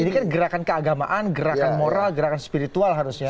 ini kan gerakan keagamaan gerakan moral gerakan spiritual harusnya